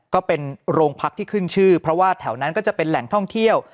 ก็เป็นโรงพักที่ขึ้นชื่อเพราะว่าแถวนั้นก็จะเป็นแหล่งท่องเที่ยว